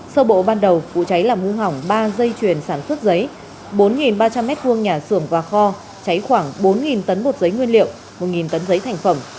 sơ bộ ban đầu vụ cháy làm hư hỏng ba dây chuyền sản xuất giấy bốn ba trăm linh m hai nhà xưởng và kho cháy khoảng bốn tấn bột giấy nguyên liệu một tấn giấy thành phẩm